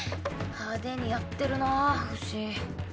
派手にやってるなフシ。